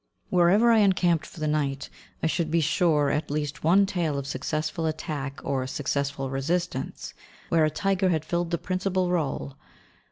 Wherever I encamped for the night, I should be sure of at least one tale of successful attack or successful resistance, where a tiger had filled the principal rôle.